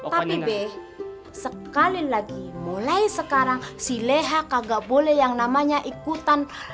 tapi be sekali lagi mulai sekarang si leha kagak boleh yang namanya ikutan